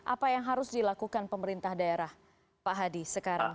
apa yang harus dilakukan pemerintah daerah pak hadi sekarang